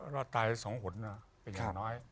รอดตายแต่สองขนเป็นอย่างน้อย